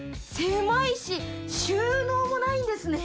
垢い収納もないんですね。